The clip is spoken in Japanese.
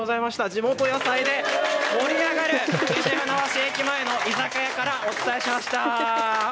地元野菜で盛り上がる西船橋駅前の居酒屋からお伝えしました。